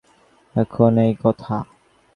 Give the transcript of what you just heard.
এখন এই কথা?